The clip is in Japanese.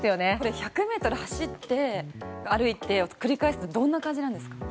１００ｍ走って歩いてを繰り返すとどんな感じなんですか。